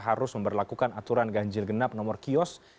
harus memperlakukan aturan ganjil genap nomor kios